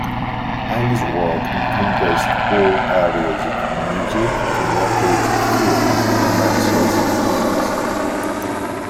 Ellis' work encompassed all areas of music, from records to film, commercials, and television.